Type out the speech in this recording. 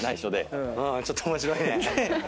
ちょっと面白いね。